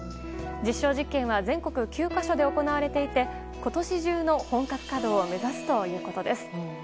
実証実験は全国９か所で行われていて今年中の本格稼働を目指すということです。